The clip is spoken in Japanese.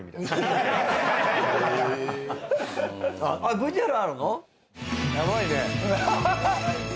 ＶＴＲあるの？